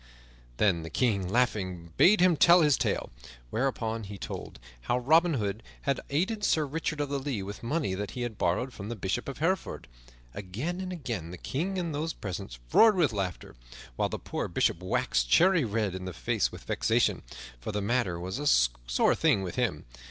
Then the King laughingly bade him tell his tale, whereupon he told how Robin Hood had aided Sir Richard of the Lea with money that he had borrowed from the Bishop of Hereford. Again and again the King and those present roared with laughter, while the poor Bishop waxed cherry red in the face with vexation, for the matter was a sore thing with him.